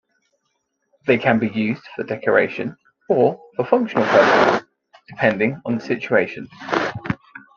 They can be used for decoration or for functional purposes, depending on the situation.